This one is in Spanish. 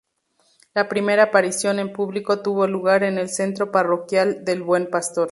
La primera aparición en público tuvo lugar en el Centro Parroquial del Buen Pastor.